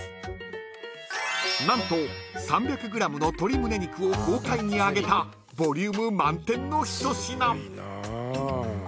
［何と３００ｇの鶏胸肉を豪快に揚げたボリューム満点の一品］